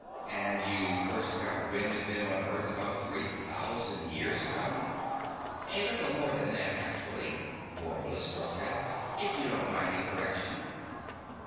"And you first got wind of them on Earth about three thousand years ago?" "A little more than that, actually," Bor Mellistos said, "if you don't mind the correction."